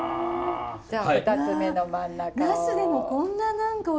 じゃあ２つ目の真ん中を。